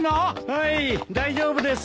はい大丈夫です。